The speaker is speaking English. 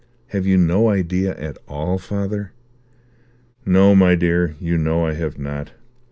"Have you no idea at all, father?" "No, my dear, you know I have not.